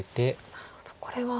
なるほどこれは。